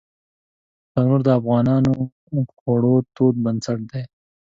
تنور د افغانو خوړو تود بنسټ دی